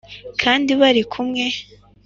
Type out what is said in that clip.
kandi barikumwe.